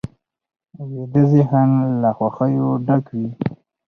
ویده ذهن له خوښیو ډک وي